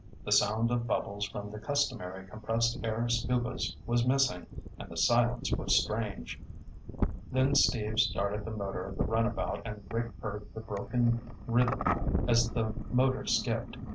The sound of bubbles from the customary compressed air Scubas was missing, and the silence was strange. Then Steve started the motor of the runabout and Rick heard the broken rhythm as the motor skipped.